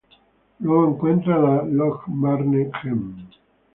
Luego encuentra la Lochmarne-gem.